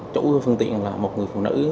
chỗ phương tiện là một người phụ nữ